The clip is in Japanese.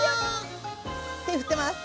手振ってます。